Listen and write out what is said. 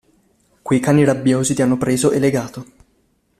Quei cani rabbiosi ti hanno preso e legato.